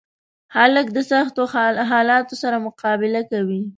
هلک د سختو حالاتو سره مقابله کوي.